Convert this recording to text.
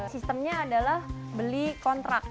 sistemnya adalah beli kontrak